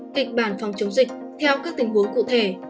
kịch bản phòng chống dịch theo các tình huống cụ thể